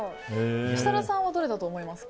設楽さんはどれだと思いますか？